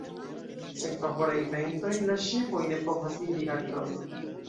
Sen favoraj ventoj, la ŝipoj ne povas iri al Trojo.